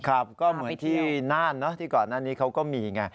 ครับก็เหมือนที่น่านที่ก่อนอันนี้เขาก็มี